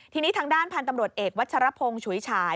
ทีนี้ทางด้านพันธุ์ตำรวจเอกวัชรพงศ์ฉุยฉาย